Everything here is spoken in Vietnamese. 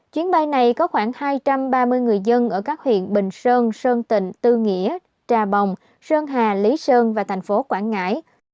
chuyến bay này có khoảng hai trăm ba mươi người dân ở các huyện bình sơn sơn tịnh tư nghĩa trà bồng sơn hà lý sơn và thành phố quảng ngãi